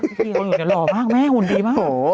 ฮือฮือฮือหล่อมากแม่หนูดีมากโอ้โฮ